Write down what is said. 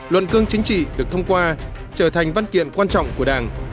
luận cương chính trị được thông qua trở thành văn kiện quan trọng của đảng